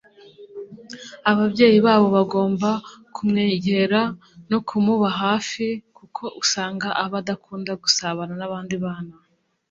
ababyeyi baba bagomba kumwegera no kumuba hafi kuko usanga aba adakunda gusabana n’abandi bana